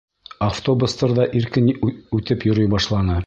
Автобустар ҙа иркен үтеп йөрөй башланы.